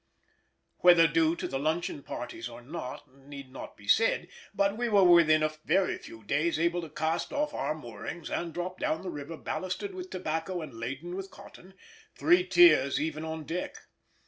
Whether due to the luncheon parties or not need not be said, but we were within a very few days able to cast off our moorings and drop down the river ballasted with tobacco and laden with cotton—three tiers even on deck.